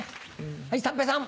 はい三平さん。